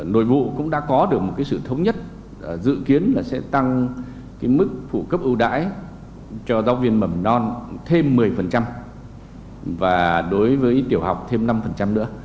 nội vụ cũng đã có được một sự thống nhất dự kiến là sẽ tăng mức phụ cấp ưu đãi cho giáo viên mầm non thêm một mươi và đối với tiểu học thêm năm nữa